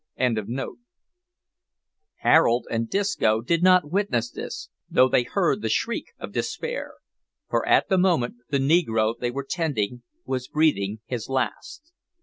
] Harold and Disco did not witness this, though they heard the shriek of despair, for at the moment the negro they were tending was breathing his last.